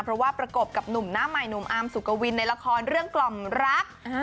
เพราะว่าประกบกับหนุ่มหน้าใหม่หนุ่มอาร์มสุกวินในละครเรื่องกล่อมรัก